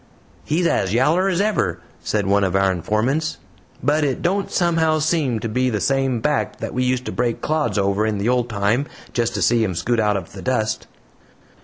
"He's as yaller as ever," said one of our informants, "but it don't somehow seem to be the same back that we used to break clods over in the old time, just to see him scoot out of the dust."